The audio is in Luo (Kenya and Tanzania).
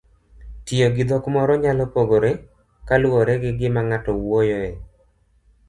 Tiyogi dhok moro nyalo pogore kaluwore gi gima ng'ato wuoyoe.